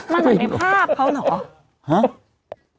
มันอยู่ในภาพเขาเหรอ